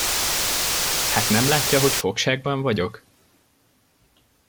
Hát nem látja, hogy fogságban vagyok?